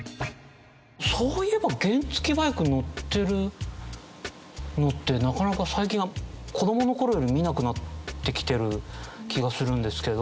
そういえば原付バイク乗ってるのってなかなか最近は子どもの頃より見なくなってきてる気がするんですけど。